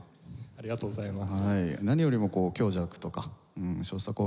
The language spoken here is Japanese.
ありがとうございます。